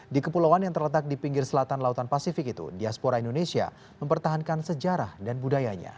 di kepulauan yang terletak di pinggir selatan lautan pasifik itu diaspora indonesia mempertahankan sejarah dan budayanya